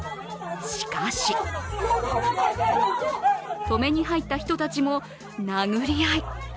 しかし、止めに入った人たちも殴り合い。